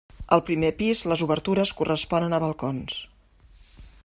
Al primer pis les obertures corresponen a balcons.